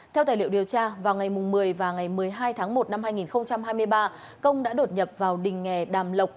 theo tài liệu điều tra vào ngày một mươi và ngày một mươi hai tháng một năm hai nghìn hai mươi ba công đã đột nhập vào đình nghề đàm lộc